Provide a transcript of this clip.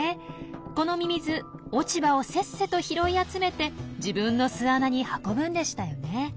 このミミズ落ち葉をせっせと拾い集めて自分の巣穴に運ぶんでしたよね。